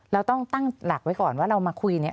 เราต้องตั้งหลักไว้ก่อนว่าเรามาคุยเนี่ย